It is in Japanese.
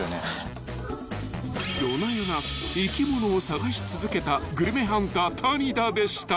［夜な夜な生き物を探し続けたグルメハンター谷田でした］